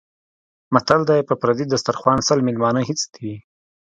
متل دی: په پردي دسترخوان سل مېلمانه هېڅ دي.